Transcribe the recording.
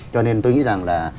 cho nên tôi nghĩ rằng là